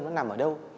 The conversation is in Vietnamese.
nó nằm ở đâu